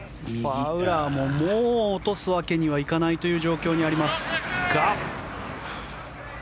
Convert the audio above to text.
ファウラーももう落とすわけにはいかないという状況にありますが。